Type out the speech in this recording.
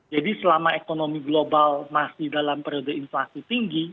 jadi selama ekonomi global masih dalam periode inflasi tinggi